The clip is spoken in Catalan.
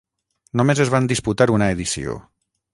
Només es van disputar una edició.